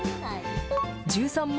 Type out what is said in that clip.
１３万